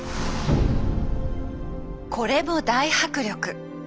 これも大迫力。